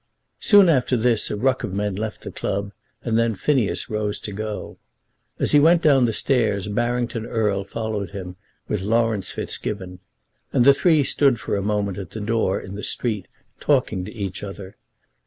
Soon after this a ruck of men left the club, and then Phineas rose to go. As he went down the stairs Barrington Erle followed him with Laurence Fitzgibbon, and the three stood for a moment at the door in the street talking to each other.